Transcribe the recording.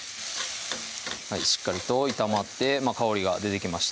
しっかりと炒まって香りが出てきました